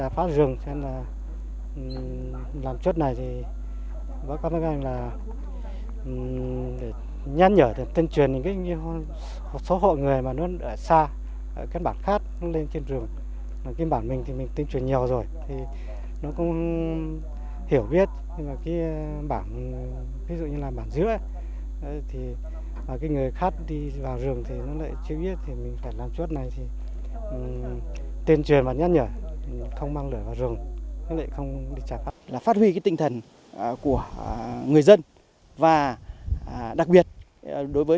phát huy tinh thần của người dân và đặc biệt đối với chúng tôi